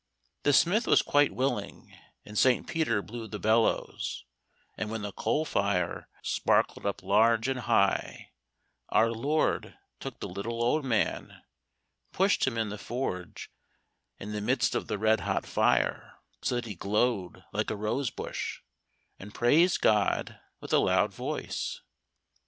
The smith was quite willing, and St. Peter blew the bellows, and when the coal fire sparkled up large and high our Lord took the little old man, pushed him in the forge in the midst of the red hot fire, so that he glowed like a rose bush, and praised God with a loud voice.